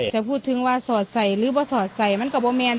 จะพูดพูดถึงว่าสอดใส่หรือป่าโบแมน